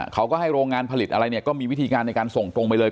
เขาก็ให้โรงงานผลิตอะไรเนี่ยก็มีวิธีการในการส่งตรงไปเลย